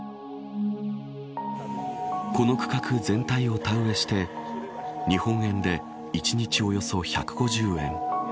この区画全体を田植えして日本円で、１日およそ１５０円。